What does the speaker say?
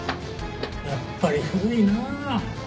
やっぱり古いなあ。